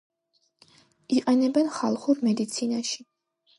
იყენებენ ხალხურ მედიცინაში.